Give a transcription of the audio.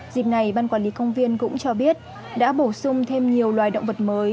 dịp này ban quản lý công viên cũng cho biết đã bổ sung thêm nhiều loài động vật mới